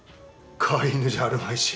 飼い犬じゃあるまいし。